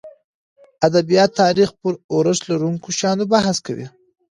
ادبیات تاریخ پرارزښت لرونکو شیانو بحث کوي.